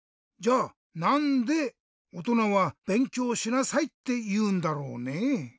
じゃあなんでおとなは「べんきょうしなさい」っていうんだろうねぇ？